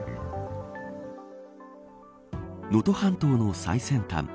能登半島の最先端